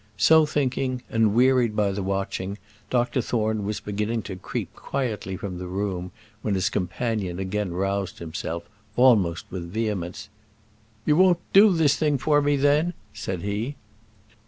So thinking, and wearied by the watching, Dr Thorne was beginning to creep quietly from the room, when his companion again roused himself, almost with vehemence. "You won't do this thing for me, then?" said he.